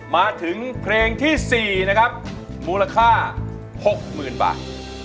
มาถึงเพลงที่๔นะครับมูลค่า๖๐๐๐บาท